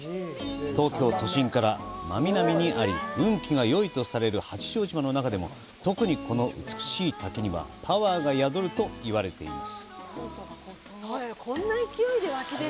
東京都心から真南にあり、運気がよいとされる八丈島の中でも特にこの美しい滝にはパワーが宿ると言われています。